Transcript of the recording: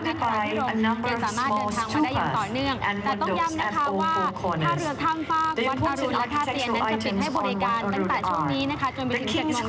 แต่ต้องย้ำนะคะว่าถ้าเรือท่างฝ้ากวนกรุณและถ้าเตียนนั้นจะปิดให้บริการตั้งแต่ช่วงนี้นะคะ